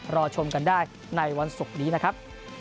รอชมกันได้ในวันศุกร์นี้นะครับ